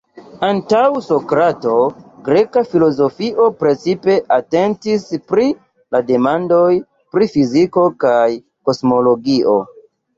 Antaŭ Sokrato, greka filozofio precipe atentis pri la demandoj pri fiziko kaj kosmologio.